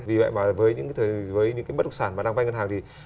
với những bất động sản đang vai ngân hàng